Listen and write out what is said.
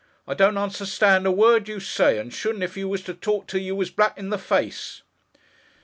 I don't understand a word you say, and shouldn't if you was to talk till you was black in the face!